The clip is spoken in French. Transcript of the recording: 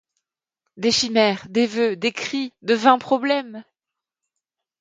Des chimères, des vœux, des cris, de vains problèmes!